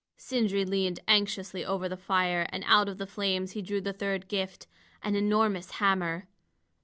Sindri leaned anxiously over the fire, and out of the flames he drew the third gift an enormous hammer.